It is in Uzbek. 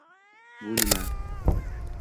Bu nima?